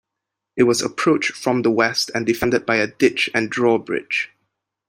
It was approached from the west and defended by a ditch and drawbridge.